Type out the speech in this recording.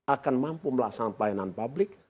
akan mampu melaksanakan pelayanan publik